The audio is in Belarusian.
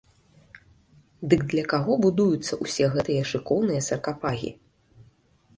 Дык для каго будуюцца ўсе гэтыя шыкоўныя саркафагі?